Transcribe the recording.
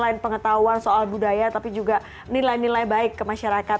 selain pengetahuan soal budaya tapi juga nilai nilai baik ke masyarakat